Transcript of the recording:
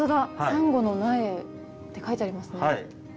「サンゴの苗」って書いてありますね。